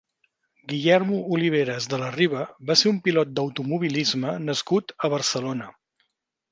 Guillermo Oliveras de la Riva va ser un pilot d'automobilisme nascut a Barcelona.